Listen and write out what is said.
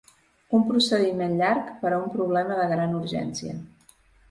Un procediment llarg per a un problema de gran urgència.